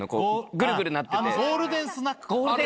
ゴールデンスナックか。